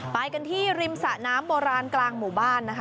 ไปกันที่ริมสะน้ำโบราณกลางหมู่บ้านนะคะ